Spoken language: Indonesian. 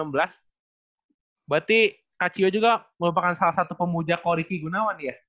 berarti kak cio juga merupakan salah satu pemuja ko riki gunawan ya